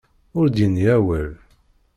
Ur d-yenni awal.